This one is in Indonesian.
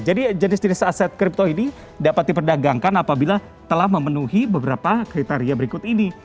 jadi jenis jenis aset kripto ini dapat diperdagangkan apabila telah memenuhi beberapa kriteria berikut ini